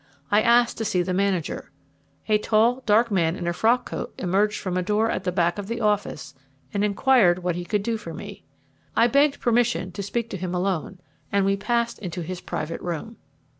I asked to see the manager. A tall, dark man in a frock coat emerged from a door at the back of the office and inquired what he could do for me. I begged permission to speak to him alone, and we passed into his private room.